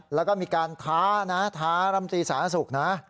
แล้วก็มีการท้านะท้ารำตีสาธารณสุขนะ